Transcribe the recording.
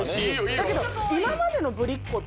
だけど。